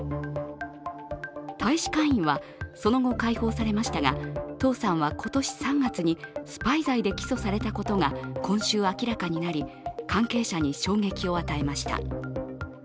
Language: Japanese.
大使館員はその後解放されましたが董さんは今年３月にスパイ罪で起訴されたことが今週明らかになり、関係者に衝撃を与えました。